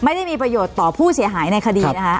ไม่ได้มีประโยชน์ต่อผู้เสียหายในคดีนะคะ